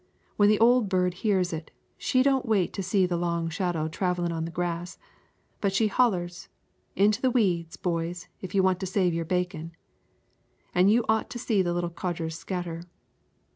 When the old bird hears it, she don't wait to see the long shadow travellin' on the grass, but she hollers, 'Into the weeds, boys, if you want to save your bacon.' An' you ought to see the little codgers scatter.